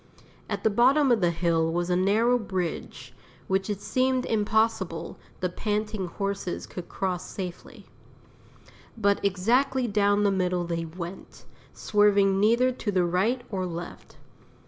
At the bottom of the hill was a narrow bridge, which it seemed impossible the panting horses could cross safely. But exactly down the middle they went, swerving neither to the right or left.